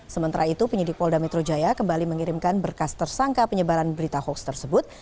sementara itu penyidik polda metro jaya kembali mengirimkan berkas tersangka penyebaran berita hoax tersebut